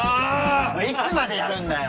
いつまでやるんだよ。